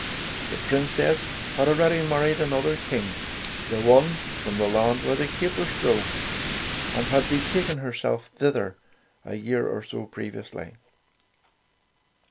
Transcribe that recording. The Princess had already married another King, the one from the land where the capers grow, and had be taken herself thither, a year or so previously.